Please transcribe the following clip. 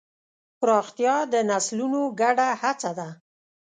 پراختیا د نسلونو ګډه هڅه ده.